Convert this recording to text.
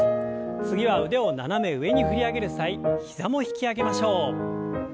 次は腕を斜め上に振り上げる際膝も引き上げましょう。